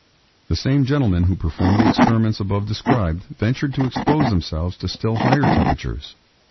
The same gentleman who performed the experiments above described ventured to expose themselves to still higher temperatures.